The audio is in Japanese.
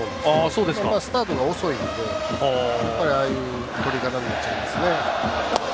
スタートが遅いんでああいうとり方になっちゃいますね。